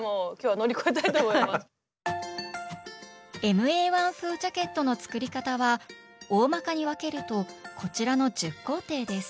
ＭＡ−１風ジャケットの作り方はおおまかに分けるとこちらの１０工程です